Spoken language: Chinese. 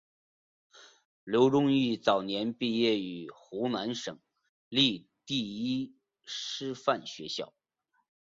刘仲容早年毕业于湖南省立第一师范学校。